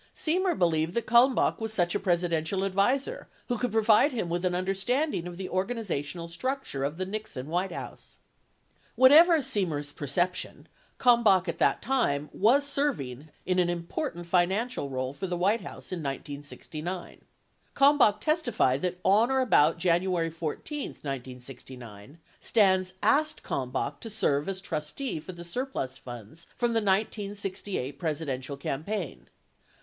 Semer believed that Kalmbach was such a Presidential advisor who could provide him with an understanding of the organizational structure of the Nixon White House. 38 Whatever Seiner's perception, Kalmbach at that time was serving in an important financial role for the White House in 1969. Kalmbach testified that on or about January 14, 1969, Stans asked Kalmbach to serve as trustee for the surplus funds from the 1968 Presidential cam paign.